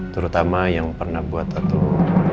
terutama yang pernah buat atau